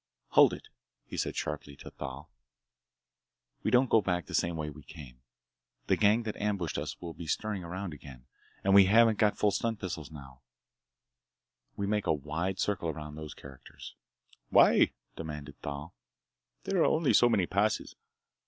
"Hold it!" he said sharply to Thal. "We don't go back the same way we came! The gang that ambushed us will be stirring around again, and we haven't got full stun pistols now! We make a wide circle around those characters!" "Why?" demanded Thal. "There are only so many passes.